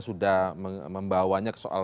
sudah membawanya ke soal